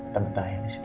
tetap tetap ayo disitu